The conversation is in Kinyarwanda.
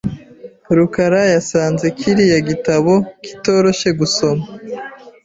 rukara yasanze kiriya gitabo kitoroshye gusoma .